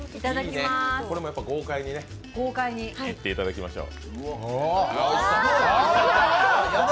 これもやっぱり豪快にいっていただきましょう。